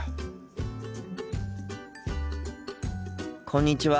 こんにちは。